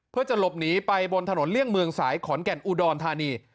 เพื่อจะหลบหนีไปบนถนนเลี่ยงเมืองสายขอนแก่นอุดรธานี